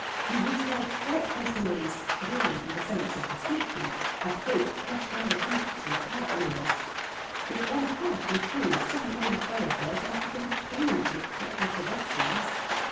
He retailed frightful stories but always with a sense of distinction of folk crushed under hoofs and cart wheels. If one half were true, some main thoroughfares must have been paved with flattened pedestrians.